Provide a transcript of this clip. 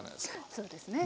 そうですね